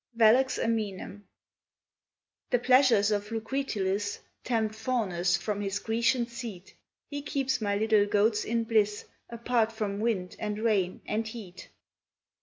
VELOX AMOENUM. The pleasures of Lucretilis Tempt Faunus from his Grecian seat; He keeps my little goats in bliss Apart from wind, and rain, and heat.